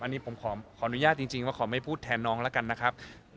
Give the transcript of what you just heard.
อันนี้ผมขออนุญาตจริงว่าขอไม่พูดแทนน้องแล้วกันนะครับ